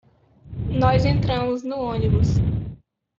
Nós entramos no ônibus